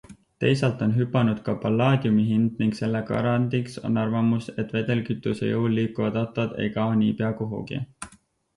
Teisalt on hüpanud ka pallaadiumi hind ning selle garandiks on arvamus, et vedelkütuse jõul liikuvad autod ei kao niipea kuhugi.